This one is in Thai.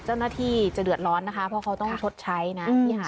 เจ้าหน้าที่จะเดือดร้อนนะคะเพราะเขาต้องชดใช้นะ